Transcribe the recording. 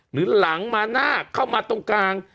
หรือหลังมาหน้าเข้ามาตรงกลาง